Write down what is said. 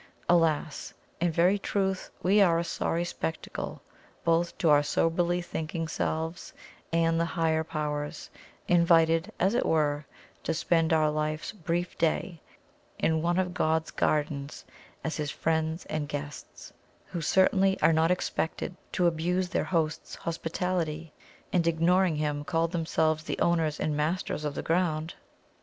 Alas! in very truth we are a sorry spectacle both to our soberly thinking selves and the Higher Powers, invited, as it were, to spend our life's brief day in one of God's gardens as His friends and guests, who certainly are not expected to abuse their Host's hospitality, and, ignoring Him, call themselves the owners and masters of the ground!